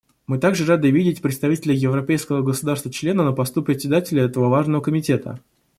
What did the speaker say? Мы также рады видеть представителя европейского государства-члена на посту Председателя этого важного комитета.